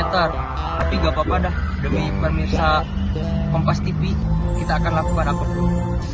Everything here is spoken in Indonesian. tapi gak apa apa dah demi pemirsa kompas tv kita akan lakukan apa dulu